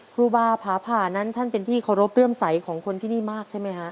ครูบาผาผ่านั้นท่านเป็นที่เคารพเลื่อมใสของคนที่นี่มากใช่ไหมฮะ